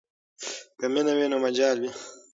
که مینه وي نو مجال وي.